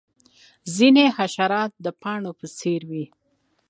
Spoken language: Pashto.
ځینې حشرات د پاڼو په څیر وي